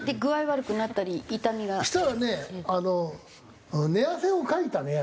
そしたらね寝汗をかいたね。